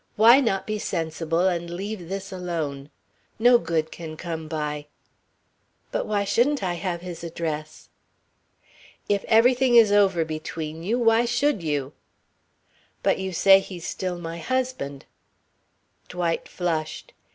Why not be sensible and leave this alone? No good can come by " "But why shouldn't I have his address?" "If everything is over between you, why should you?" "But you say he's still my husband." Dwight flushed.